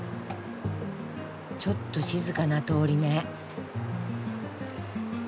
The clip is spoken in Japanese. ちょっと静かな通りね。